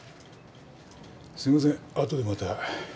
すいません後でまた。